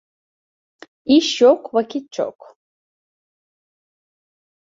İş yok, vakit çok.